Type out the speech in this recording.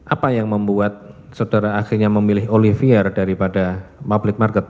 apa yang membuat saudara akhirnya memilih olivier daripada public market